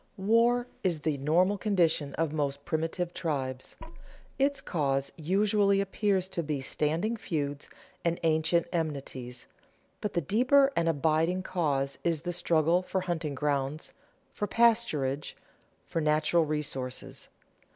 _ War is the normal condition of most primitive tribes. Its cause usually appears to be standing feuds and ancient enmities, but the deeper and abiding cause is the struggle for hunting grounds, for pasturage, for natural resources.